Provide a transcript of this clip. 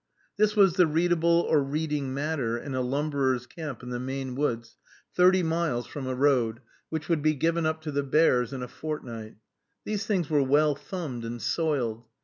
This was the readable or reading matter in a lumberer's camp in the Maine woods, thirty miles from a road, which would be given up to the bears in a fortnight. These things were well thumbed and soiled.